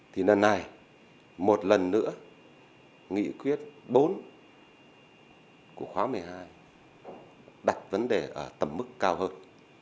thì lần này một lần nữa nghị quyết bốn của khóa một mươi hai đặt vấn đề ở tầm mức cao hơn